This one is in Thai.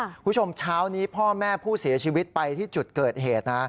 คุณผู้ชมเช้านี้พ่อแม่ผู้เสียชีวิตไปที่จุดเกิดเหตุนะ